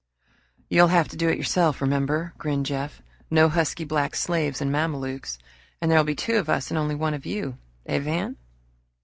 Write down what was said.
"You'd have to do it yourself, remember," grinned Jeff. "No husky black slaves and mamelukes! And there'd be two of us and only one of you eh, Van?"